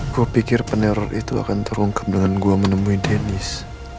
gua pikir peneror itu akan terungkap dengan gua menemui dennis